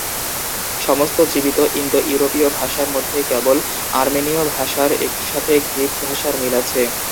সমস্ত জীবিত ইন্দো-ইউরোপীয় ভাষার মধ্যে কেবল আরমেনীয় ভাষার সাথে গ্রিক ভাষার মিল আছে।